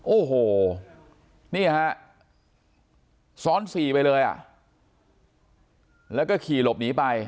โอ้โหนี่ฮะซ้อนสี่ไปเลยอ่ะแล้วก็ขี่หลบหนีไป